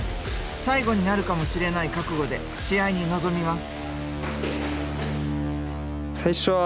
最後になるかもしれない覚悟で試合に臨みます。